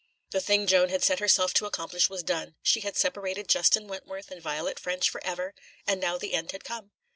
The thing Joan had set herself to accomplish was done; she had separated Justin Wentworth and Violet Ffrench for ever, and now the end had come.